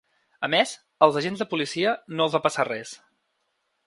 A més, als agents de policia no els va passar res.